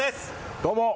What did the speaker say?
どうも！